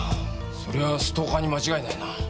そりゃストーカーに間違いないな。